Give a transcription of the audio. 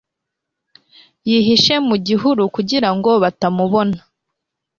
Yihishe mu gihuru kugira ngo batamubona